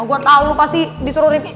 nah gue tau lo pasti disuruh rifki